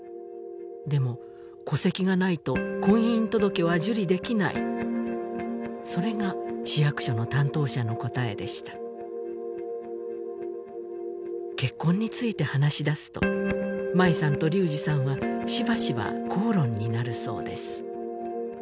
でも戸籍がないと婚姻届は受理できないそれが市役所の担当者の答えでした結婚について話しだすと舞さんと龍志さんはしばしば口論になるそうです